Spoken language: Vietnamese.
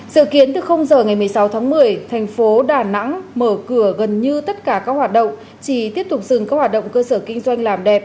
dự kiến từ giờ ngày một mươi sáu tháng một mươi thành phố đà nẵng mở cửa gần như tất cả các hoạt động chỉ tiếp tục dừng các hoạt động cơ sở kinh doanh làm đẹp